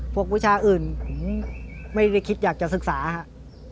วิชาอื่นไม่ได้คิดอยากจะศึกษาครับ